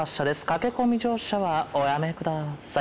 駆け込み乗車はおやめください。